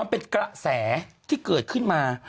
มันเป็นกระแสที่เกิดขึ้นมา